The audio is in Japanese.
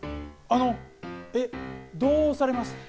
あのえっどうされました？